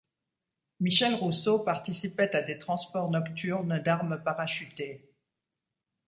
Michel Rousseau participait à des transports nocturnes d'armes parachutées.